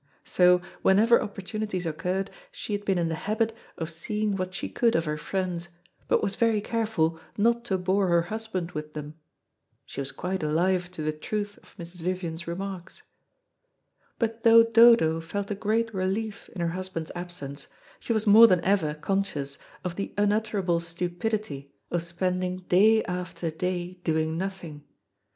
So, whenever opportunities occurred, she had been in the habit of seeing what she could of her friends, but was very careful not to bore her husband with them. She was quite alive to the truth of Mrs. Vivian's remarks. But though Dodo felt a great relief in her husband's absence, she was more than ever conscious of the unutterable stupidity of spending, day after day doing nothing.